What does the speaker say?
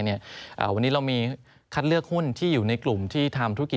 วันนี้เรามีคัดเลือกหุ้นที่อยู่ในกลุ่มที่ทำธุรกิจ